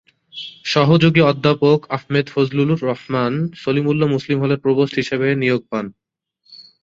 সহযোগী অধ্যাপক আহমেদ ফজলুর রহমান সলিমুল্লাহ মুসলিম হলের প্রভোস্ট হিসাবে নিয়োগ পান।